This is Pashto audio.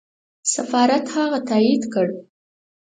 سفارت هغه تایید کړ.